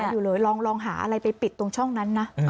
อยู่เลยลองหาอะไรไปปิดตรงช่องนั้นนะ